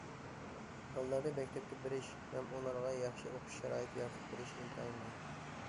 بالىلارنى مەكتەپكە بېرىش ھەم ئۇلارغا ياخشى ئوقۇش شارائىتى يارىتىپ بېرىش ئىنتايىن مۇھىم.